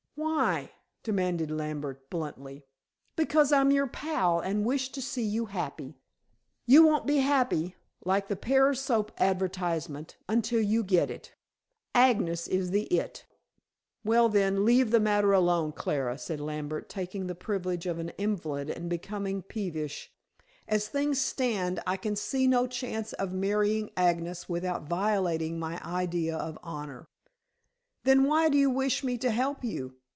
"Why?" demanded Lambert bluntly. "Because I'm your pal and wish to see you happy. You won't be happy, like the Pears soap advertisement, until you get it. Agnes is the 'it.'" "Well, then, leave the matter alone, Clara," said Lambert, taking the privilege of an invalid and becoming peevish. "As things stand, I can see no chance of marrying Agnes without violating my idea of honor." "Then why do you wish me to help you?"